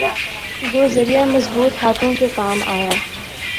وہ ذریعہ مضبوط ہاتھوں کے کام آیا۔